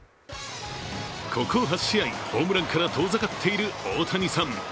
ここ８試合ホームランから遠ざかっている大谷さん。